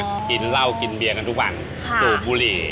ก็กินเหล้ากินเบียกันทุกวันสูบบุหรี่